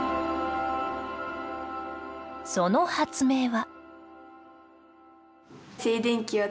その発明は。